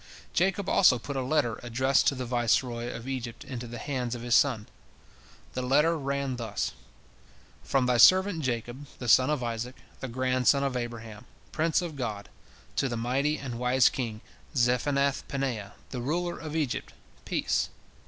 Jacob also put a letter addressed to the viceroy of Egypt into the hands of his son. The letter ran thus: "From thy servant Jacob, the son of Isaac, the grandson of Abraham, prince of God, to the mighty and wise king Zaphenathpaneah, the ruler of Egypt, peace!